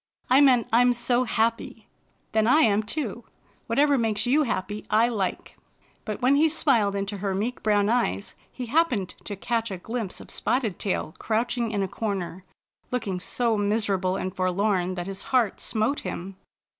I meant I'm so happy 1 "" Then I am too. Whatever makes you happy I like." Bumper wins Spotted Tail's Friendship 95 But while he smiled into her meek brown eyes, he happened to catch a glimpse of Spotted Tail crouching in a corner, looking so miserable and forlorn that his heart smote him.